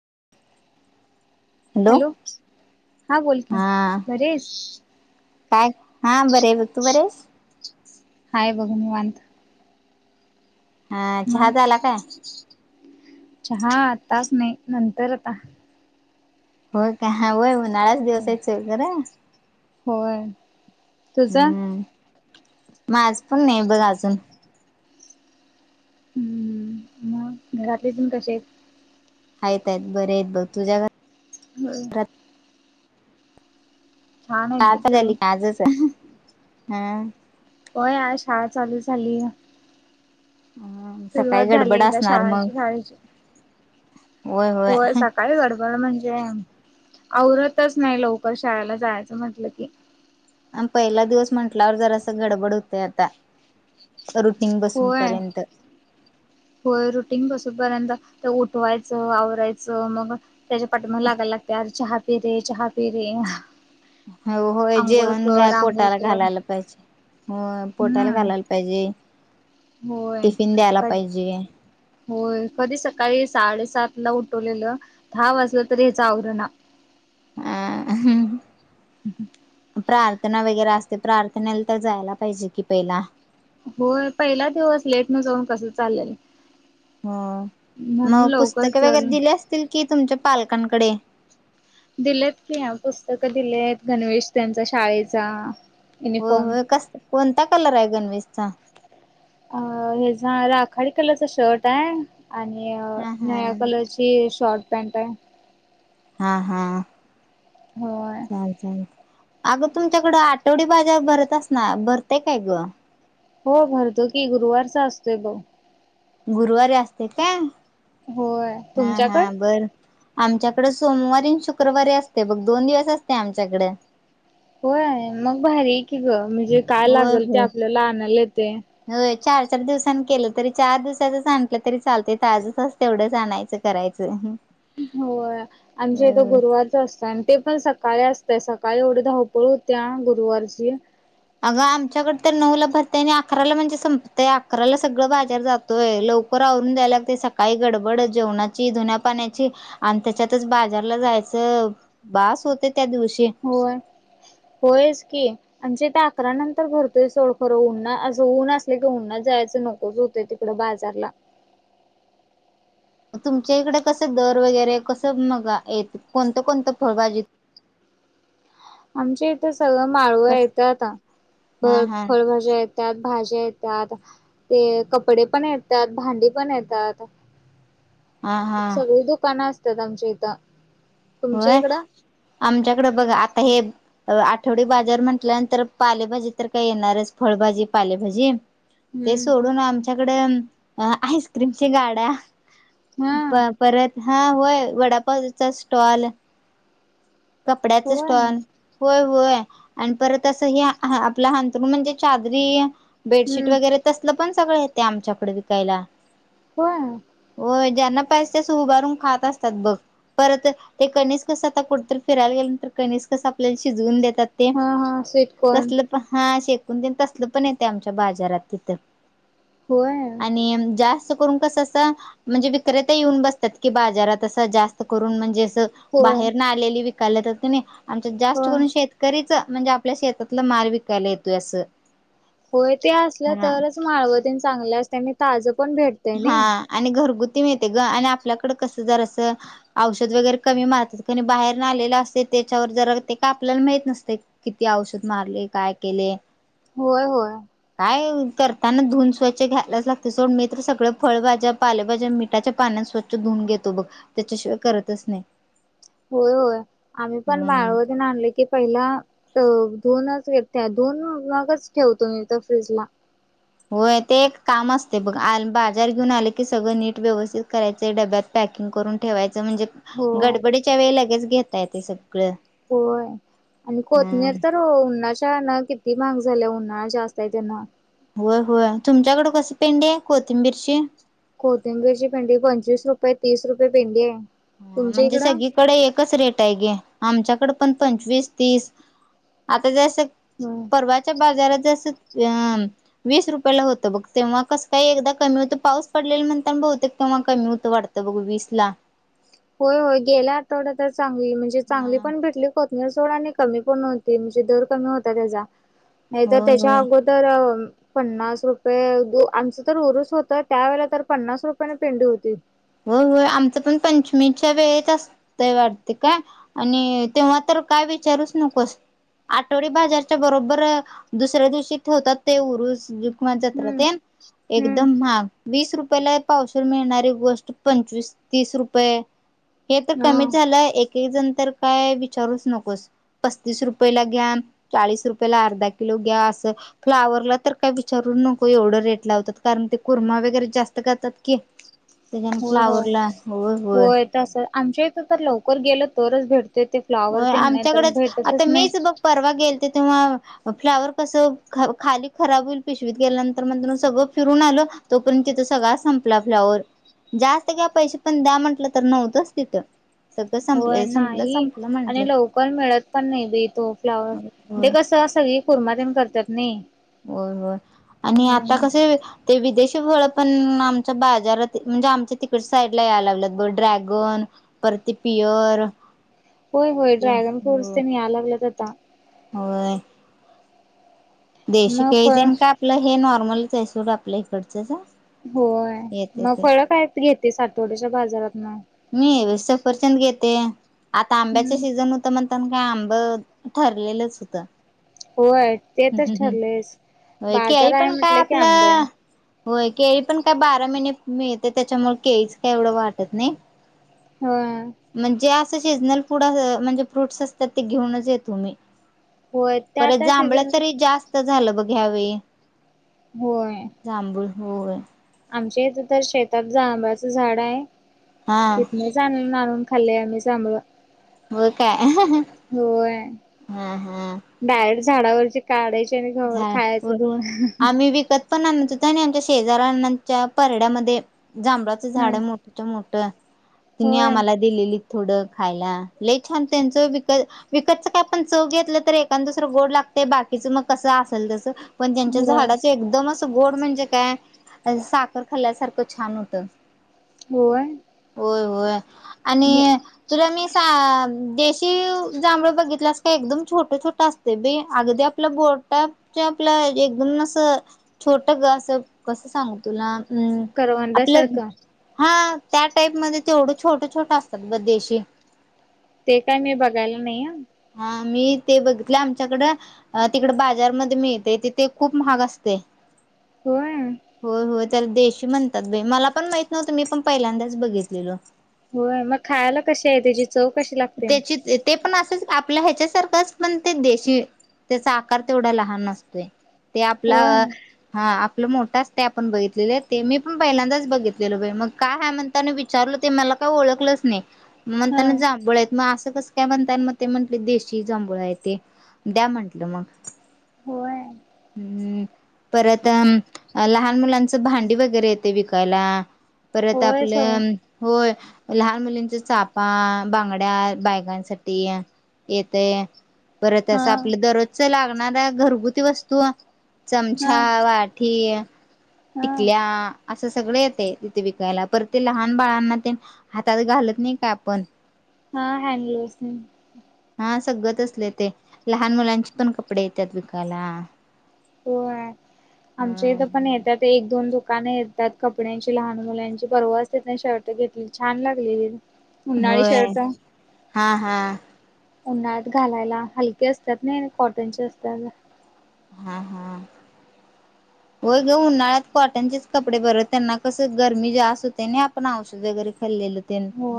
[unintelligible] Hello, हा बोल की. हा बरी हाईस? काय हा बारी हाय बघ, तू बरी हाईस? हाय बग निवांत. हा चहा मग झाला काय? चहा आत्ताच नाही, नंतर आता. होय का [unintelligible] उन्हाळ्याच होय दिवस हाईत सोड जरा. होय. तुझा? माज पण नाही बघ अजून. हम्म. मग घरातले तेण कशे हाईत? हाईत हाईत बरे आहेत बग. तुझ्या घरा होय. छान आहेत बघ सगळे काय [unintelligible] हम्म? होय, आज शाळा चालू झाली. हम सकाळी सुरुवात झाली गडबड एकदा असणार मग शाळाची शाळेची होय सकाळी गडबड म्हणजे आववरतच नाही लवकर शाळेला जायचं म्हटलं की आम पहिला दिवस म्हंटल्यावर जरा असे गडबड होतय आता रुटींग होय बसूनपर्यंत होय रुटीन बसून पर्यंत उठवायचं आवरायचं मग त्यांच्या पाठी मग लागाला लाग प्यार चहा पी रे चहा पी रे हो होय आंघोळ जेवण घ कर आंघोळ पोटाला कर घालायला पाहिजे हो पोटायला घालायला हम्म पाहिजे होय टिफिन द्यायला पाहिजे होय कधी सकाळी सात साडेसात ला उठवलेलं दहा वाजलं तरी याच आवराणे अ प्रार्थना वगैरे अस ते प्रार्थनेला तर जायला पाहिजे कि पहिला होय पहिला दिवस लेट न जाऊन कस चाललेल हो मग पुस्तक वगैरे चल दिली असतील कि तुमच्या पालकांकडे दिलेत की पुस्तकं दिलेत गणवेश त्यांचा शाळेचा हो युनिफॉर्म हो कस कोणता कलर आहे गणवेशचा अ हे झा राखाडी कलरच शर्ट आहे आणि हा हा निळा कलरची शॉर्ट पॅन्ट आहे हा हा होय चाल चाल अगं तुमच्याकडं आठवडी बाजार भरतस ना भरतय काय ग हो भरतो की गुरुवारचा असतोय भाऊ गुरुवारी असते का होय हा हा तुमच्याकड बरं आमच्याकडें सोमवारी आणि शुक्रवारी असते बघ दोन दिवस असते आमच्याकडे हो आहे मग भारी आहे की ग म्हणजे काय होय लागेल ते होय आपल्याला आणायला येते होय चार चार दिवसांनी केलं तरी चार दिवसाचं स आणलं तरी चालते आजच अस तेवढंच आणायचं करायचं हो आमच्याथ अ गुरुवारच असतं आणि ते पण स सकाळी असतय सकाळी एवढी धावपळ होत्या गुरुवारची अगं आमच्याकडे तर नऊ ला भरताय आणि अकराला म्हणजे संपतय अकराला सगळं बाजार जातोय [inaudible] लवकर आवरून दजायला लागते सकाळी गडबड जेवणाची धन्या पाण्याची आणि त्याच्यातच बाजारला जायचं बास होते त्या दिवशी होय होयच की आणि जे ते अकरा नंतर भरतोय सोड खरं उनना असं ऊन असले की उन्हात जायचं नकोच होते तिकडं बाजारला तुमच्या इकडे कसं दर वगैरे कसं मग य कोणतं कोणतं फळभाजी हा आमच्या इथे सगळं माळव कस येत आ हा फळ हा फळभाज्या येतात भाज्या येतात ते कपडे पण येतात भांडी पण येतात हा हा सगळी दुकानं असतात आमच्या इथं तुमच्या होय इकडं आमच्याकडे बघ आता हे आठवडी बाजार म्हटल्यानंतर पालेभाजी तर काय येणारच फळभाजी पालेभाजी ते हम्म सोडून आमच्याकडे आईस्क्रीमची गाड्या हा परत हा होय वडापावचा स्टॉल कपड्याच होय स्टॉल हो होय आणि परत अस ह आपला हंतरुण म्हणजे चादरी बेडशीट हम्म वगैरे तसलं पण सगळं येते आमच्याकडे विकायला होय हो ज्यांना उभारून खात असतात बघ परत ते कणीस फिरायला गेल्या नंतर कणीस आपल्याला शिजवून देतात ते हा हा स्वीटकॉर्न तसलं पण हा शे तसल पण येते आमच्या बाजारात तिथ होय आणि जास्त क म्हणजे विक्रेता येऊन बसतात की बाजारात जास्त करून म्हणजे होय बाहेर न आलेली विकाल्या तर त आमच्या हो जास्त करून शेतकरीच म्हणजे आपल्या शेतातला माल विकायला येतोय असं होय ते असलं हा तरच माळवतीन चांगल्या असतेनी ताजं पण भेटतय ना आपल्या कडे औषध कमी मारतात आले असते त्याच्यावर जरा ते का आपल्याला माहित नसते किती औषध मारले काय केले होय होय काय करताना धुन स्वच्छ घ्यायलाच लागते सोड तर सगळं फळभज्या पालेभज्या मिठाच्या पाण्या स्वच्छ धुन घेतो बघ त्याच्याशिवाय करतच नाही होय होय आम्ही पण बा हम्म आणले की पहिला दोनच हेत ते धूनच ठेवतो मी तर फ्रीज ला, होय ते एक काम अस ते बघ आ बाजार घेऊन आले की सगळ नीट व्यवस्थित करायचंय डब्यात पॅकिंग करून ठेवाय ते म्हणजे हो गडबडीच्या वेळलां लगेच घेता ते सग होय आणि हम्म कोतनेर तर उअनाशा न किती, लय महाग झाल्या उन्हाळा जास्त आहे त्यांना, होय होय तुमच्याकड कस पेंडी आहे कोथिंबीरची, कोथिंबीरीची पिंडी पंचवीस रुपये तीस रुपये पिंडी आहे. हा तुमच्या म्हणजे इकडं सगळीकडे एकच रेट आहे गे. आमच्याकडे पण पंचवीस तीस आता जसं, होय परवाच्या बाजारात, आत्ता सद्या वीस रुपयाला होत बघ तेव्हा कस काही एकदा कमी होत पाऊस पडलेला म्हणता- व्हा कमी होतो केव्हा वाढत बघू वीस ला, होय होय गेल्या आठवड्या तर चांगली म्हणजे चांगली हा. पण भेटली कोत न सोड आणि कमी पण होती, म्हणजे दर कमी होता त्याचा, नाही तर होय त्याच्या होय अगोदरअ, पन्नास रुपये दू आमचं तर उरुस होत त्यावेेला तर पन्नास रुपयाने पेंडी होती. होय होय आमचं पण पंचमीच्या वेळेत असतय वाटत काय आणि तेव्हा तर, काय विचारूच नकोस आठवडी बाजारच्या बरोबर दुसऱ्या दिवशी ठेवतात. ते उरूस, कुमान हम्म जत्रात्यानं हम्म एकदम महाग वीस रुपयाला पावशेर मिळणारी गोष् पंचवीस तीस रुपये हे तर हा कमी झालंय एक एक जण, तर काय विचारूच नकोस पसतीस रुपयला घ्यास चास रुपला अर्धा किलो घ्यास, त फ्लावरला तर काय विचारू नको एवढं रेट लावतात कारण ते कुर्मा वगैरे जास्त करतात की, होय होय होय तस आमच्या इथ तर लवकर गेलं तरच भेट हो आमच्याकडेच आता, नाही मीच बघ परवा गेलते तेव्हा, फ्लावर कसं खाली खराब होईल पिशवीत गेल्यानंतर मण सगळं फिरून आलं तोपर्यंत सगळा संपला. फ्लावर जास्त घ्या पैसे पण द्या म्हंटलं तर नव्हतंच तिथं. सगळं होय संपले संपलं नाही सं आणि लवकर मिळत पण नाही बीेतो फ्लावरण होय ते कसं सगळी कुरमातन करतात नाही. होय होय आणि आता हम्म कसे ते विदेश, त्याचा मुले पण आमचा बाजारात म्हणजे, आमच्या तिकडे साईडला यायला लागला पण ड्रॅगन पर ते पियर, होय होय ते ड्रॅगन फ्रूटस ते म आलावलंगता होयय देशी मग काही फळ देण कापलं हे नॉर्मल चैसूर आपल्याकड च का होय मग फळ काय घेतेस आठवड्याच्या बाजारात, ना मी सपचंद घेते आता आंब्याच हम्म सीझन होत. म्हणता कांब ठरलेलंच होतं, होय ते हम् तरच हम् ठरलेस हम् बाजार केळी आहे पण काय म्हटलं की आंबोन आपलं, होय केळी पण काय बारा महिने मिळते, त्याच्यामुळे केळीच काय एवढं वाटत नाही. हा. सीजनल फूड म्हणजे फ्रूट्स असतात, ते घेऊनच येतो मी. होय त्या त्या सीजन, तरी जास्त झालं बघ. या वेळी होय, होय, आमच्या इथ तर शेतात जांबाळाच झाड आहे. हा तिथनच आणून आणून, खाल्ले आम्ही सांभळ व काय, आहह हम् हम्. डायरेक्ट झाडावरची काढायची आणि घवखायच हो. धुन, आम्ही विकत पण अ आणि आमच्या शेजारऱनाच्या परड्यामध्ये जांभळाचं झाड हं मोठत मोठ तिने होय आम्हाला दिलेली. थोडं खायला ल छान त्यांचं विक विकतच काय आपण चव घेतलं एख दुसर गोड लागत. ते बाकीच मग कसं असेल त्यास पण त्यांच्याच होय झाडाच एकदमच, गोड म्हणजे काय साखर खाल्ल्यासारखं छान होतं. होय होय होय हे आणि तुला मी सा देश श्ही जांळ बघितलास का एकदम छोट छोट असते बाई अगदी आपला बोट टाप च्या आपल एकदन असं छोट ग असं कसं सांगू तुला. हम् आपल्या करवंदासारखं हा. त्या टाईप मध्ये तेवढं छोट छोट असतात ग देशी. ते काय मी बघायला नाही. मी ते बघितले आमच्याकडं तिकड बाजारमध्ये मिळते तथे खूप महाग असते. होय. होय होय देशी म्हणतात बाई मला पण माहित नव्हतं मी पण पहिल्यांदाच बघितलेलो. होय मग खायला कशी आहे त्याची चव कशी लागते. त्याची ते पण असंच आपल्या ह्याच्यासारखच पण ते देशी त्याचा आकार तेवढा लहान असतोय. ते आपला होय हा. आप मोठं ते आपण बघितलेले ते मी पण पहिल्यांदाच बघितलेलो मग काय हय म्हणता मी विचारल ते मला का ओळलंच नाही म हा त्यांना जांळ मग असं कस काय म्हण ते म्हटले देशी जांभूळ आहे ते द्या म्हटलं मग. होय हम्म परत अ लहान मुलांचं भांडी वगैरे येते विकायला. परत होय आपल्या सगळं होय. लहान मुलींच्या चापा बांगड्या बायकांसाठी येतय. बरत हा असं आपलं दररोजच लागणार आस घरगुती वस्तू हा चमचा वाठी हा टिकल्या. असं सगळे येते तिथे विकायला पर ते लहान बाळांना ते हातात घालत नाही का आपण. हा हॅलोस. हा सगळत असले ते लहान मुलांचे पण कपडे येतात विकायला. हो ह आमच्या इथं पण येत एक दोन द दुकाने येतात कपड्यांची लहान मुलांची परवाच तीतन शर्ट घेतली छान लागली. उनी होय शर्टो, हा हा उन्हाळत घालायला हलके असतात ना कॉटनचे असतात. हम्म हम् ह हो गे उन्हाळ्यात कॉटन चेच कपडे भरवत त्यांना कसं गरमी जेस्तते नाही आपण औषध वगैरे खाल्लेलं होत. हो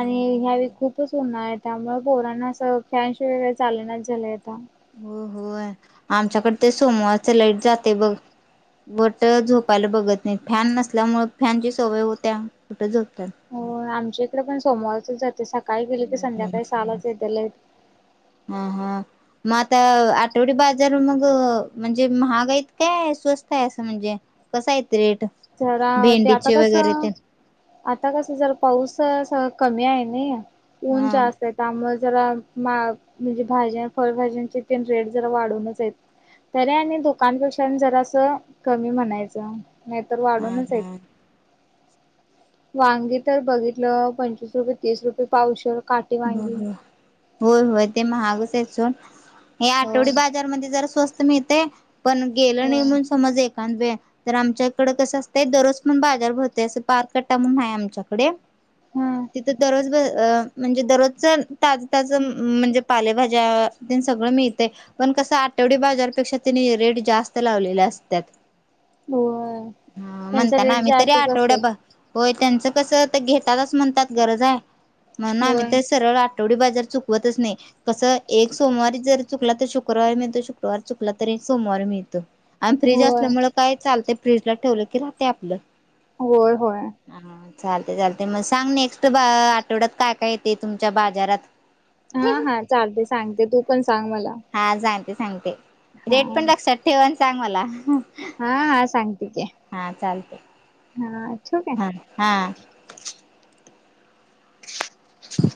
आणि ह्यावी खूपच उन आहेत. त्यामुळे पोरांना असं फॅनश वगैरे चालनाच झालंय आता. हो हो आमच्याकड ते सोमवारच लाईट जाते बघ. वटं झोपायला बघत नाही फॅन नसल्यामुळे फॅनची सवय होत्या कुठं झोप हो आमच्या इकडे पण सोमवारच जाते स काय केेलं की संध्याकाळी सहालाच येते लाइट. हा हा मग आता आठवडी बाजार मग म्हणजे महागाईत काय स्वस्त आहे असं म्हणजे. कसा ए जरा ते आता ते कसं आता कसं जर पाऊसास कमी आहे नी ऊन हा जास्त आहे त्यामुळे जरा मा म्हणजे भाज्या फळभाज्यांची तेन रेट जरा वाढूनच आहेत. तरी आणि दुकानपेक्षा जरा असं कमी म्हणायचं तर हा वाढूनच आहेत. हा वांगी तर बघितलं पंचवीस रुपये तीस रुपये पावशेर होय होय ते महागच आहे चून हे हो आठवडी बाजारमध्ये जर स्वस्त मिळते पण गेलं नाही होय म्हणून समज एक [unintelligible] तर आमच्या इकडं कसं असतंय दररोज पण बाजार भरते असं पारकटा म्हणून आहे आमच्याकडे हा तिथं दररोज ब अं म्हणजे दररोजचा ताजा-ताजा म्हणजे पालेभाज्या तेन सगळं मिळते पण कसं आ तेेवढ्या बाजारपेक्षा त्यांनी रेट जास्त लावलेले असत्यात. होय हम्म त्यांचा म्हणताना रेट आम्ही तरी जास्तच आठवड्या ब असत होय. त्यांचं कसं घेतातच म्हणतात गरज आहे म्हणून आम्ही होय तर सरळ आठवडी बाजार चुकवतच नाही कसं एक सोमवारी जर चुकला तर शुक्रवारी मिळतो शुक्रवार चुकला तर एक सोमवार मिळतो. आणि फ्रीज होय असल्यामुळे काय चालत फ्रीजला ठेवलं की राहते आपलं. होय होय. हा चालते चालते मग सांग नेक्स्ट बा आठवड्यात काय काय येते तुमच्या बाजारात? हा हा चालते सांगते तू पण सांग मला. हा सांगते सांगते हा रेट पण लक्षात ठेवा आणि सांग मला. हा हा हा चालते. हाय हा हा. ह